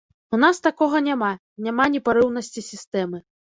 У нас такога няма, няма непарыўнасці сістэмы.